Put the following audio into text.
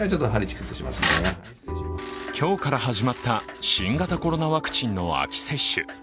今日から始まった新型コロナワクチンの秋接種。